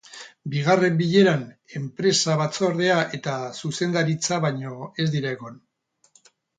Bigarren bileran enpresa batzordea eta zuzendaritza baino ez dira egon.